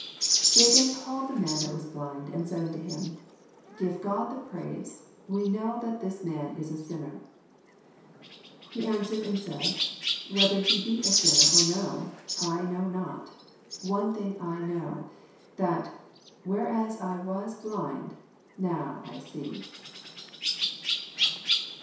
24 Then again called they the man that was blind, and said unto him. Give God the praise: we know that this man is a sinner. 25 He answered and said, Whether he be a sinner orno,l know not: one thing I know, that, whereas I blind, now I see.